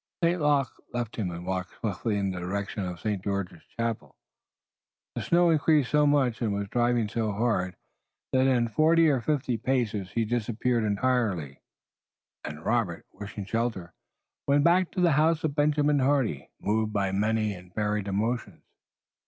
St. Luc left him and walked swiftly in the direction of St. George's Chapel. The snow increased so much and was driving so hard that in forty or fifty paces he disappeared entirely and Robert, wishing shelter, went back to the house of Benjamin Hardy, moved by many and varied emotions.